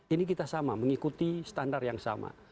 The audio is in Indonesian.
ini kita sama mengikuti standar yang sama